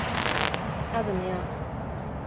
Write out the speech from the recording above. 他怎么样？